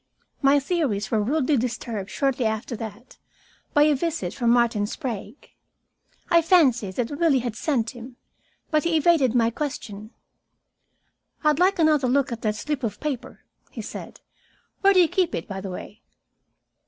My theories were rudely disturbed shortly after that by a visit from Martin Sprague. I fancied that Willie had sent him, but he evaded my question. "I'd like another look at that slip of paper," he said. "Where do you keep it, by the way?"